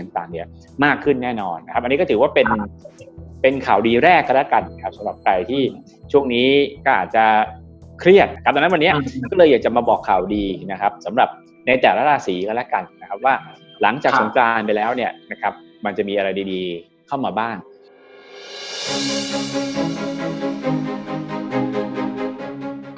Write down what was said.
เครียดดังนั้นวันนี้ก็เลยอยากจะมาบอกข่าวดีสำหรับในแต่ละราศีก็แล้วกันหลังจากสงกราณไปแล้วมันจะมีอะไรดีข้อมาบ้าง